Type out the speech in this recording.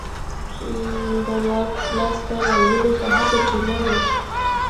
د واک لاسته راوړلو په هڅه کې نه و.